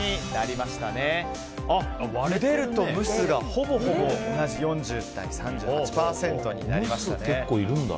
ゆでると蒸すがほぼほぼ同じ４０％と３８％になりましたね。